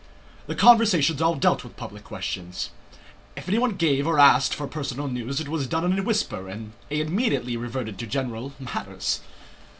The conversations all dealt with public questions. If anyone gave or asked for personal news, it was done in a whisper and they immediately reverted to general matters.